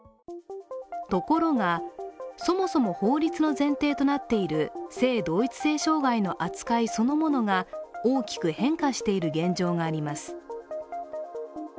ところが、そもそも法律の前提となっている性同一性障害の扱いそのものが大きく変化している現状があります。